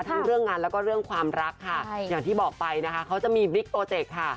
เรื่องงานแล้วก็เรื่องความรักค่ะอย่างที่บอกไปนะคะเขาจะมีบิ๊กโปรเจคค่ะ